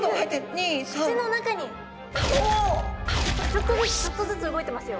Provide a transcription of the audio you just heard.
ちょっとずつちょっとずつ動いてますよ。